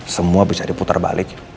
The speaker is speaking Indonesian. semua bisa diputar balik